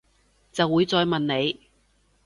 就會再問你